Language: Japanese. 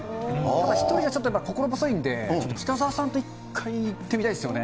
１人じゃちょっと心細いんで、ちょっと北澤さんと一回行ってみたいですよね。